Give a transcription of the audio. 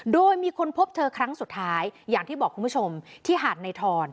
โดยมีคนพบเธอครั้งสุดท้ายอย่างที่บอกคุณผู้ชมที่หาดในทร